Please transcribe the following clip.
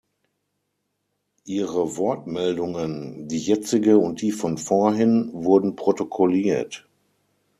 Ihre Wortmeldungen, die jetzige und die von vorhin, wurden protokolliert.